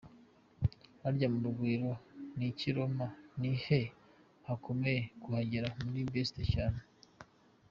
Harya mu Rugwiro n’ikke Roma ni he hakomeye kuhagera? Muri besta cyane!.